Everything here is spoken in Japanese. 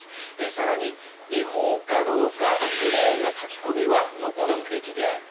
更に、違法かどうかグレーな書き込みは残すべきである。